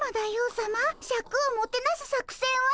さまシャクをもてなす作戦は？